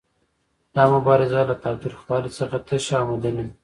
دا مبارزه له تاوتریخوالي څخه تشه او مدني ده.